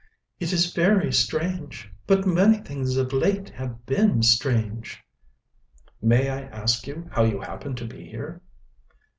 "It is very strange. But many things of late have been strange." "May I ask how you happen to be here?"